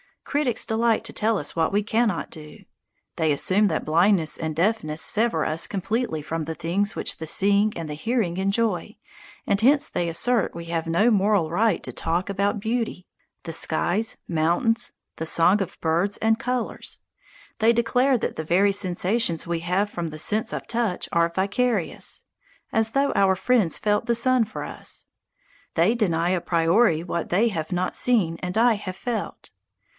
Critics delight to tell us what we cannot do. They assume that blindness and deafness sever us completely from the things which the seeing and the hearing enjoy, and hence they assert we have no moral right to talk about beauty, the skies, mountains, the song of birds, and colours. They declare that the very sensations we have from the sense of touch are "vicarious," as though our friends felt the sun for us! They deny a priori what they have not seen and I have felt.